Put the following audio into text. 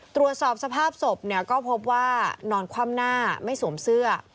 ตรวจสอบสภาพศพก็พบว่านอนคว่ำหน้าไม่สวมเสื้อ